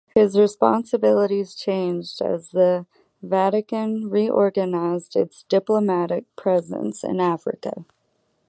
His responsibilities changed as the Vatican reorganized its diplomatic presence in Africa.